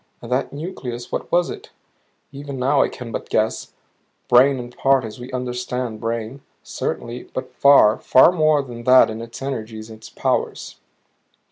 And that nucleus, what was it? Even now I can but guess brain in part as we understand brain, certainly; but far, far more than that in its energies, its powers.